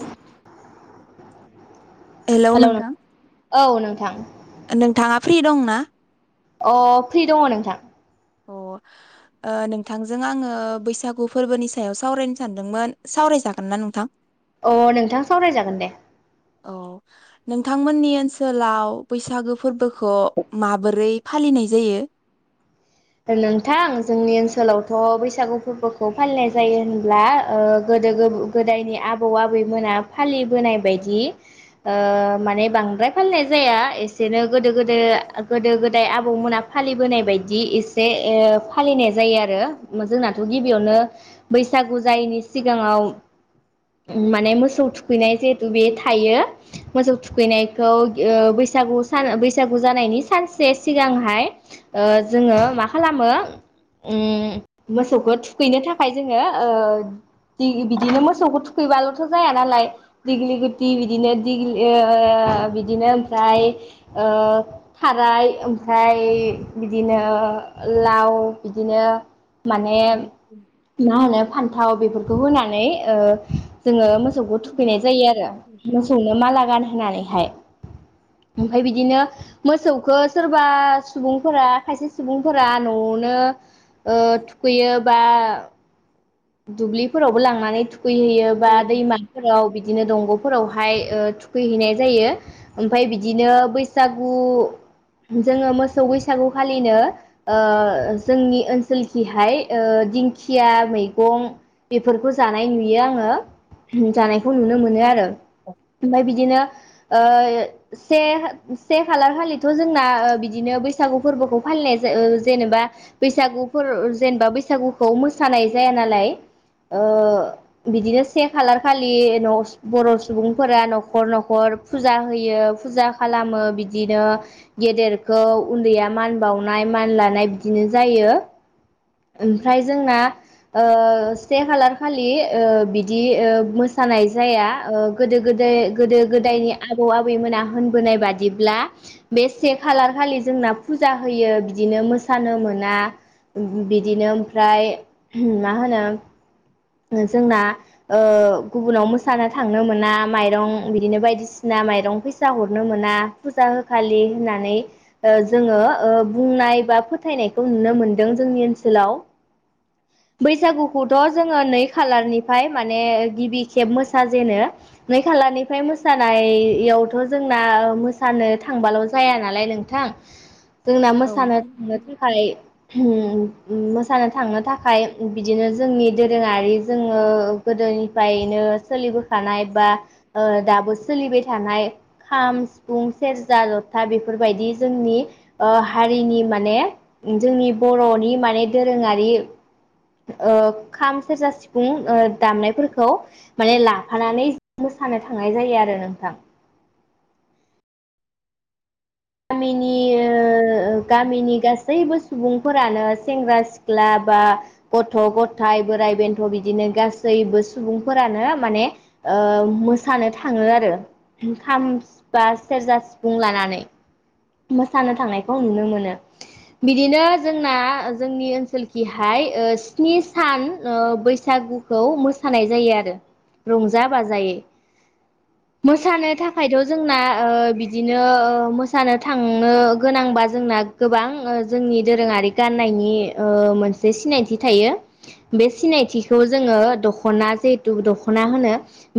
[unintelligible] Hello नोंथां औ नोंथां। नोंथाङा फ्रि दं ना? अ फ्रि दङ नोंथां। अ ओ नोंथांजों आङो बैसागु फोरबोनि सायाव सावरायनो सानदोंमोन सावरायजागोन ना नोंथां? अ नोंथां सावरायजागोन दे। औ नोंथांमोननि ओनसोलाव बैसागो फोरबोखौ माबोरै फालिनाय जायो? नोंथां जोंनि ओनसोलावथ बैसागु फोरबोखौ फालिनाय जायो होनब्ला ओ गोदो गोदायनि आबौ आबैमोना फालिबोनाय बायदि ओ माने बांद्राय फालिनाय जाया एसेनो गोदो गोदो गोदो गोदाय आबौमोना फालिबोनाय बायदि इ से ओ फालिनाय जायो आरो जोंनाथ गिबियावनो बैसागु जायैनि सिगाङाव माने मोसौ थुखैनाय जिहेथु बे थायो मोसौ थुखैनायखौ ओ बैसागु सान बैसागु जानायनि सानसे सिगांहाय जोङो मा खालामो उम मोसौखौ थुखैनो थाखाय जोङो ओ बिदिनो मोसौखौ थुखैबालथ जाया नालाय दिग्लि गुथि बिदिनो दिग्लि ओ बिदिनो ओमफ्राय ओ थाराय ओमफ्राय बिदिनो लाव बिदिनो माने मा होनो फान्थाव बेफोर खौ होनानै ओ जोङो‌ मोसो सौखौ थुखैनाय जायो आरो मोसौनो माला गानहो होननानैहाय ओमफाय बिदिनो मोसौखौ सोरबा सुबुंफोरा खायसे सुबुं फोरा नआवनो ओ थुखैयो बा दुब्लिफोरावबो लांनानै थुख खैहैयो बा दैमाफोराव बिदिनो दंगफोराव हाय ओ थुखैहैनाय जायो ओमफाय बिदिनो बैसागु जोङो मोसौ बैसागुखालिनो ओ जोंनि ओनसोलखिहाय ओ दिंखिया मै गं बेफोरखौ जानाय नुयो आङो जानायखौ नुनो मोनो आरो। ओमफाय बिदिनो ओ से से खालार खालिथ जोंना बिदिनो बैसागु फोरबोखौ फालिनाय जायो ओ जेनेबा बैसागुफोर जेनेबा बैसागुखौ मोसानाय जाया नालाय ओ बिदिनो से खालार खालि बर न सुबुंफोरा नखर नखर फुजा होयो फुजा खालामो बिदिनो गेदेरखौ उन्दैया मान बावनाय मान लानाय बिदिनो जायो। ओमफ्राय जोंना ओ से खालार खालि ओ बिदि ओ मो जानाय जाया ओ गोदो गोद [unintelligible] गोदो गोदायनि आबौ आबो आबैमोना होनबोनाय बादिब्ला बे से खालार खालि जोंना फुजा होयो बिदिनो मोसानो मोना बिदिनो ओमफ्राय मा होनो जोंना ओ गुबुनाव मोसानो थांनो मोना माइरं बिदिनो बायदिसिना माइरं फैसा हरनो मोना फुजा होखालि होननानै ओ जोङो ओ बुंनाय बा फोथायनायखौ नुनो मोनदों जोंनि ओनसोलाव। बैसागुखौथ जोङो नै खालारनिफ्राय माने गिबि खेब मोसाजेनो नै खालारनिफ्राय मोसानायावथ जोंना मोसानो थांबाल जाया नालाय नोंथां। जोंना औ मोसानो थांनो थाखाय उम मोसानो थांनो थाखाय बिदिनो जोंनि दोरोङारि जोङो गोदोनिफ्रायनो सोलिबोखानाय बा दाबो सोलिबाय थानाय खाम, सिफुं, सेरजा, जथा बेफोरबायदि जोंनि ओ हारिनि माने जोंनि बरनि माने दोरोङारि ओ खाम सेरजा सिफुं ओ दामनायफोरखौ माने लाफानानै मोसानो थांनाय जायो आरो नोंथां। गामिनि ओ गामिनि गासैबो सु सुबुंफोरानो सेंग्रा सिख्ला बा गथ गथाय बोराइ बेन्थ बिदिनो गासैबो सुबुंफोरानो माने ओ मोसानो थाङो आरो खाम बा सेरजा सिफुं लानानै। मोसानो थांनायखौ नुनो मोनो बिदिनो जोंना जोंनि ओनसोलखिहाय ओ स्नि सान ओ बैसागुखौ मोसानाय जायो आरो रंजा बाजायै। मोसानो थाखायथ जोंना ओ बिदिनो ओ मोसानो थांनो गोनांबा जोंना गोबां जोंनि दोरोङारि गाननायनि ओ मोनसे सिनायथि थायो बे सिनायथिखौ जोङो दखना जिहेथु दखना होनो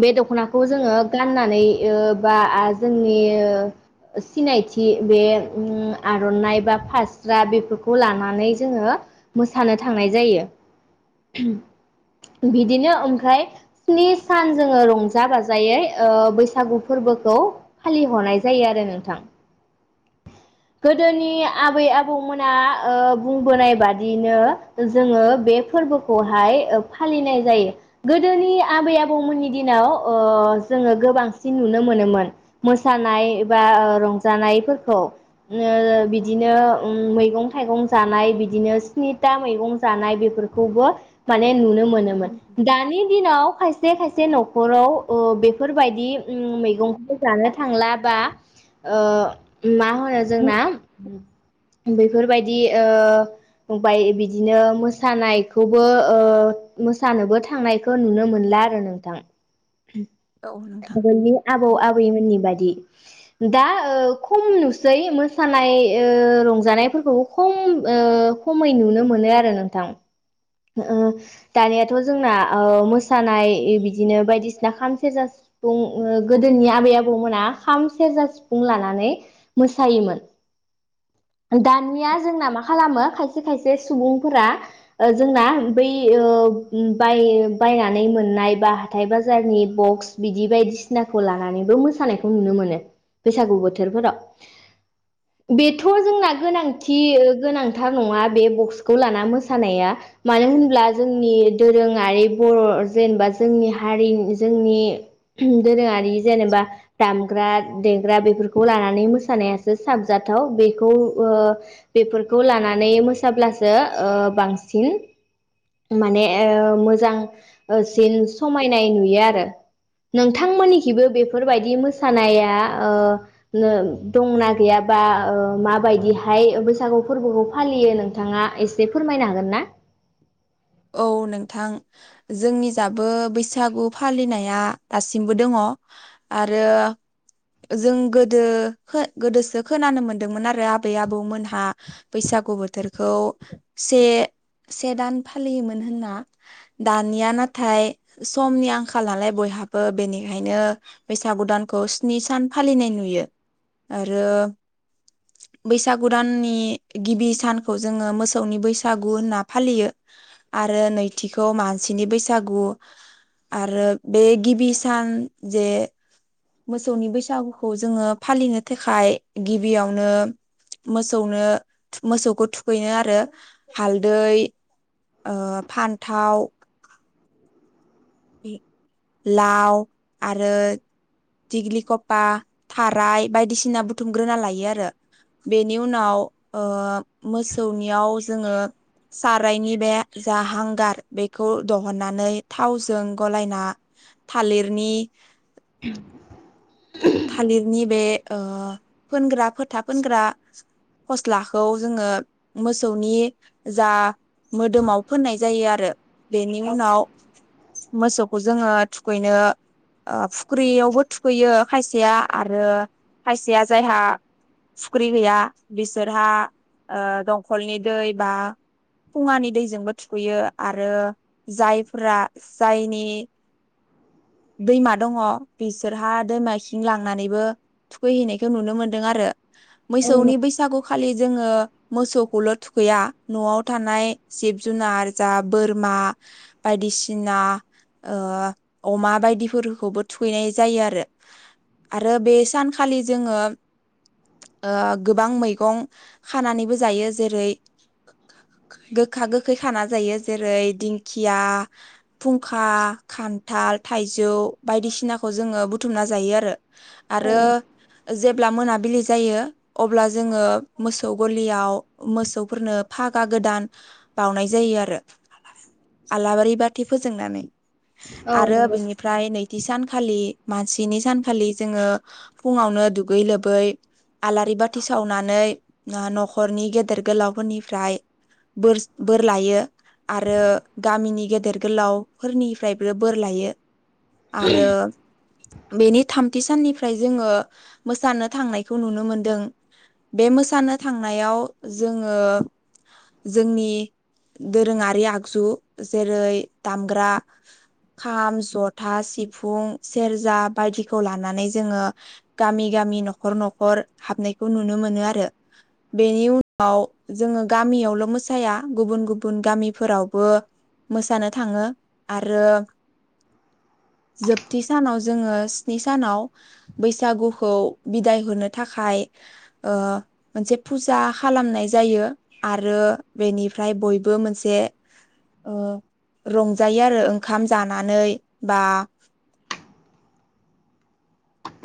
बे दखनाखौ जोङो गाननानै ओ बा जोंनि ओ सिनायथि बे उम आरनाइ बा फास्रा बेफोरखौ लानानै जोङो मोसानो थांनाय जायो। बिदिनो ओमफ्राय स्नि सान जोङो रंजा बाजायै ओ बैसागु फोरबोखौ फालिहरनाय जायो आरो नोंथां। गोदोनि आबै आबौमोना ओ बुंबोनाय बादियैनो जोङो बे फोरबोखौहाय फालिनाय जायो गोदोनि आबै आबौमोननि दिनाव ओ जोङो गोबांसिन नुनो मोनोमोन मोसानाय बा रंजानायफोरखौ। उम बिदिनो उम मैगं थाइगं जानाय बिदिनो स्निथा मैगं जानाय बेफोरखौबो माने नुनो मोनोमोन दानि दिनाव खायसे खायसे खायसे नखराव ओ बेफोरबायदि उम मैगंखौ जानो थांला बा ओ माहोनो जोंना बेफोरबायदि ओ बाय बिदिनो मोसानायखौबो ओ मोसानोबो थांनायखौ नुनो मोनला आरो नोंथां। औ नोंथां आगोलनि आबौ आबैमोननि बादि। दा ओ खम नुसै। मोसानाय ओ रंजानायफोरखौ खम ओ खमै नुनो मोनो आरो नोंथां। ओ दानियाथ जोंना ओ मोसानाय बिदिनो बायदिसिना खाम सेरजा सिफुं ओ गोदोनि आबै आबौमोना खाम सेरजा सिफुं लानानै मोसायोमोन। दानिया जोंना मा खालामो खायसे खायसे सुबुंफोरा ओ जोंना बै ओ बाय-बायनानै मोननाय बा हाथाय बाजारनि बक्स बिदि बायदिसिनाखौ लानानैबो मोसानायखौ नुनो मोनो बैसागु बोथोरफोराव। गोनांथि गोनां थार नङा बे बक्सखौ लाना मोसानाया। मानो होनब्ला जोंनि दोरोङारि बर जेनेबा जोंनि हारि जोंनि दोरोङारि जेनेबा दामग्रा देग्रा बेफोरखौ लानानै मोसानायासो साबजाथाव बेखौ ओ बेफोरखौ लानानै मोसाब्लासो ओ बांसिन माने ओ मोजां सिन समायनाय नुयो आरो नोंथांमोननिखैबो बेफोरबायदि मोसानाया ओ दंना गैयाबा ओ माबायदिहाय बैसागु फोरबोखौ फालियो नोंथाङा एसे फोरमायनो हागोन ना? औ नोंथां जोंनि जाबो बैसागु फालिनाया दासिमबो दङ आरो जों गोदो गोदोसो खोनानो मोनदोंमोन आरो आबै आबौमोनहा बैसागु बोथोरखौ से से दान फालियोमोन होनना दानिया नाथाय समनि आंखाल नालाय बयहाबो बेनिखायनो बैसागु दानखौ स्नि सान फालिनाय नुयो आरो बैसागु दाननि गिबि सानखौ जोङो मोसौनि बैसागु होनना फालियो। आरो नैथिखौ मानसिनि बैसागु आरो बे गिबि सान जे मोसौनि बैसागुखौ जोङो फालिनो थाखाय गिबियावनो मोसौनो मोसौखौ थुखैनो आरो हालदै ओ फान्थाव लाव आरो दिग्लिखपा थाराय बायदिसिना बुथुमग्रोना लायो आरो बेनि उनाव ओ मोसौनियाव जोङो सारायनि बे जा हांगार बेखौ दहननानै थावजों जों गलायना थालिरनि [inaudible] थालिरनि बे ओ फोनग्रा फोथा फोनग्रा फस्लाखौ जोङो मोसौनि जा मोदोमाव फोननाय जायो आरो बेनि उनाव मोसौखौ जोङो थुखैनो फुख्रियावबो थुखैयो। खायसेया आरो खायसेया जायहा फुख्रि गैया बिसोरहा ओ दंखलनि दै बा खुङानि दैजोंबो थुखैयो आरो जायफ्रा जायनि दैमा दङ बिसोरहा दैमा थिं लांनानैबो थुखैहैनायखौ नुनो मोन्दों आरो। औ मैसौनि बैसागु खालि जोङो मोसौखौल थुखैया नआव थानाय जिब जुनार जा बोरमा बायदिसिना ओ अमा बायदिफोरखौबो थुखैनाय जायो आरो। आरो बे सानखालि जोङो ओ गोबां मैगं खानानैबो जायो जेरै गोखा गोखै खाना जायो जेरै दिंखिया, फुंखा, खान्थाल, थाइजौ बायदिसिनाखौ जोङो बुथुमना जायो आरो। आरो जेब्ला मोनाबिलि जायो अब्ला जोङो मोसौ गलियाव मोसौफोरनो फागा गोदान बउनाय जायो आरो आलाबारि बाथि फोजोंनानै। औ आरो नंगौ। बिनिफ्राय नै थि सानखालि मानसिनि सानखालि जोङो फुङावनो दुगै लोबै आलारि बाथि सावनानै नखरनि गेदेर गोलावफोरनिफ्राय बोर बोर लायो आरो गामिनि गेदेर गोलाव फोरनिफ्रायबो बोर लायो। आरो बेनि थाम थि साननिफ्राय जोङो मोसानो थांनायखौ नुनो मोनदों। बे मोसानो थांनायाव जोङो जोंनि दोरोङारि आगजु जेरै दामग्रा खाम जथा सिफुं सेरजा बायदि खौ लानानै जोङो गामि गामि नखर नखर हाबनायखौ नुनो मोनो आरो बेनि उनाव जोङो गामियावल मोसाया गुबुन गुबुन गामिफोरावबो मोसानो थाङो आरो जोबथि सानाव जोङो नि सानाव बैसागुखौ बिदाय होनो थाखाय ओ मोनसे फुजा खालामनाय जायो आरो बेनिफ्राय बयबो मोनसे ओ रंजायो आरो ओंखाम जानानै बा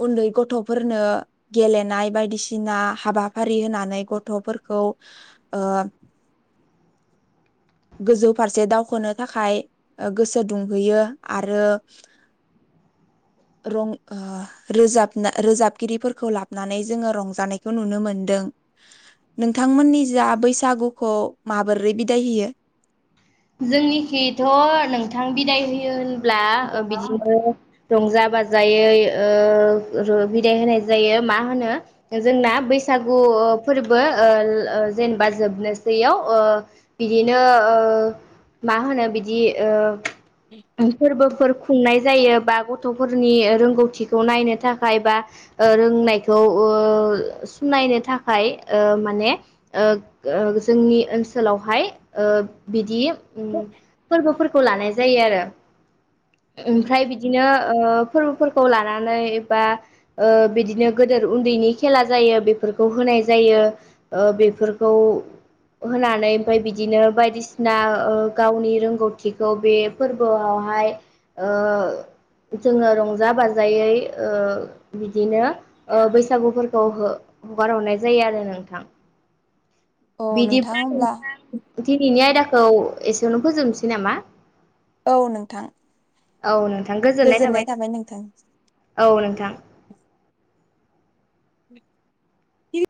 उन्दै गथफोरनो गेलेनाय बायदिसिना हाबाफारि होनानै गथफोरखौ ओ गोजौ फारसे दावखोनो थाखाय ओ गोसो दुंहोयो आरो रं ओ रोजाबना रोजाबगिरिफोरखौ लाबनानै जोङो रंजानायखौ नुनो मोनदों। नोंथांमोननि जा बैसागुखौ माबोरै बिदाय होयो? जोंनिखिथ नोंथां बिदाय होयो होनबा ब्लाड ओ बिदिनो रंजा बाजायै ओ बिदाय होनाय जायो मा होनो जोंना बैसागु फोरबो ओ जेनेबा जोबनोसैयाव ओ बिदिनो ओ मा होनो बिदि ओ फोरबोफोर खुंनाय जायो बा गथफोरनि ओ रोंगौथिखौ नायनो थाखाय बा ओ रोंनायखौ ओ सुनायनो थाखाय ओ माने ओ ओ जोंनि ओनसोलावहाय ओ बिदि फोरबोफोर खौ लानाय जायो आरो। ओमफ्राय बिदिनो ओ फोरबोफोरखौ लानानै बा ओ बिदिनो गोदोर उन्दैनि खेला जायो बेफोरखौ होनाय जायो ओ बेफोरखौ होनानै ओमफाय बिदिनो बायदिसिना ओ गावनि रोंगौथिखौ बे फोरबोआवहाय ओ जोङो रंजा बाजायै ओ बिदिनो ओ बैसागुफोरखौ हगार हरनाय जायो आरो नोंथां। औ नोंथां बिदिब्ला होमब्ला नोंथां दिनैनि आयदाखो औ एसेयावनो फोजोबनोसै नामा? औ नोंथां। औ नो गोजोननाय थाबाय नोंथांसिम। औ नोंथां।